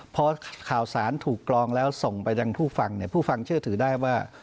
พอข่าวสารถูกกรองแล้วส่งไปยังผู้ฟังเนี่ยผู้ฟังเชื่อถือได้ว่า